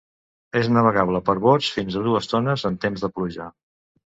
És navegable per bots fins a dues tones en temps de pluja.